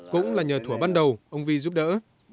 cũng là nhờ thủa ban đầu ông vi giúp đỡ